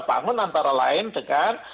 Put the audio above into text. bangun antara lain dengan